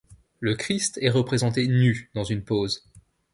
Le Christ est représenté nu dans une pose.